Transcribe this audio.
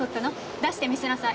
出して見せなさい。